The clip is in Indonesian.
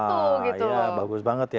ah ya bagus banget ya